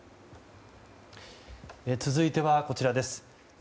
続いてはこちらです。